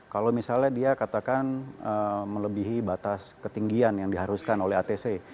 kalau misalnya dia katakan melebihi batas ketinggian yang diharuskan oleh atc